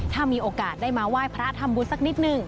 ถ้ามีโอกาสได้มาไหว้พระทำบุญสักนิดนึง